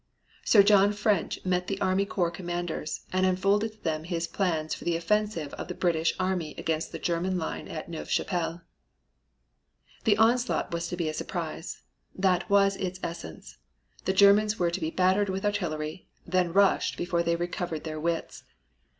Sir John French met the army corps commanders and unfolded to them his plans for the offensive of the British army against the German line at Neuve Chapelle. "The onslaught was to be a surprise. That was its essence. The Germans were to be battered with artillery, then rushed before they recovered their wits.